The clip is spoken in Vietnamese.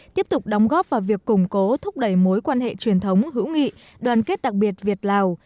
tiếp tục đóng góp vào việc củng cố thúc đẩy mối quan hệ truyền thống hữu nghị đoàn kết đặc biệt việt lào